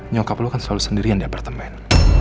nyokap lu kan selalu sendirian di apartemen